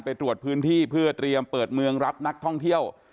ไปตรวจพื้นที่เพื่อเตรียมเปิดเมืองรับนักท่องเที่ยว